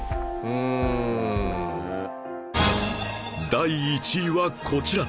第１位はこちら